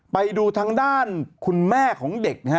ไปดูทางด้านคุณแม่ของเด็กนะฮะ